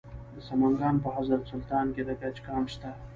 د سمنګان په حضرت سلطان کې د ګچ کان شته.